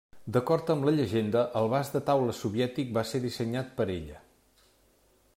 D'acord amb la llegenda, el vas de taula soviètic va ser dissenyat per ella.